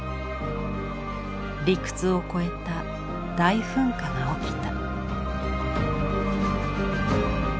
理屈を超えた大噴火が起きた。